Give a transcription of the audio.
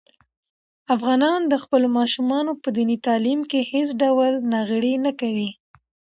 افغانان د خپلو ماشومانو په دیني تعلیم کې هېڅ ډول ناغېړي نه کوي.